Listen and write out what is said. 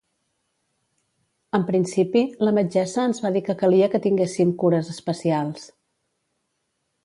En principi, la metgessa ens va dir que calia que tinguéssim cures especials.